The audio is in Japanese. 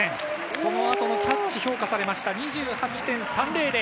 その後のキャッチが評価されました２８．３００。